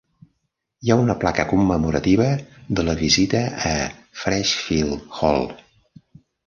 Hi ha una placa commemorativa de la visita a Freshfield Hall.